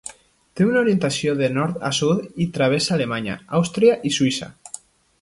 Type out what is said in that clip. Té una orientació de nord a sud i travessa Alemanya, Àustria i Suïssa.